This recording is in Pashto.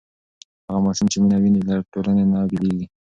هغه ماشوم چې مینه ویني له ټولنې نه بېلېږي.